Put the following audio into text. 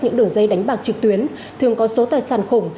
những đường dây đánh bạc trực tuyến thường có số tài sản khủng